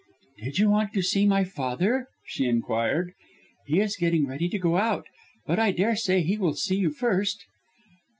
"Do you want to see my father?" she inquired. "He is getting ready to go out, but I daresay he will see you first."